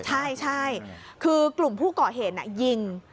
ใช่คือกลุ่มผู้ก่อเหตุยิง